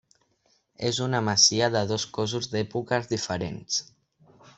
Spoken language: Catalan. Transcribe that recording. És una masia de dos cossos d'èpoques diferents.